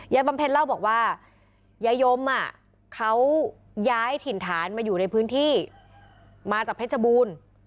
บำเพ็ญเล่าบอกว่ายายยมเขาย้ายถิ่นฐานมาอยู่ในพื้นที่มาจากเพชรบูรณ์